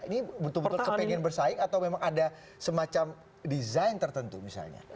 ini betul betul kepengen bersaing atau memang ada semacam desain tertentu misalnya